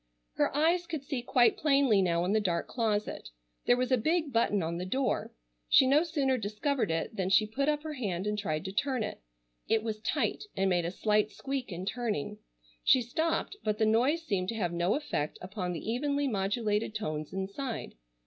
Her eyes could see quite plainly now in the dark closet. There was a big button on the door. She no sooner discovered it than she put up her hand and tried to turn it. It was tight and made a slight squeak in turning. She stopped but the noise seemed to have no effect upon the evenly modulated tones inside.